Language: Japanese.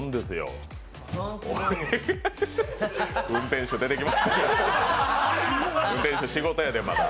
運転手、出てきました。